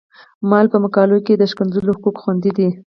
ما ویل په مقالو کې د ښکنځلو حقوق خوندي دي.